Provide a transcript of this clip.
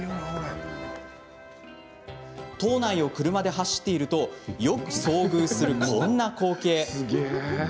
島内を車で走っているとよく遭遇する、こんな光景。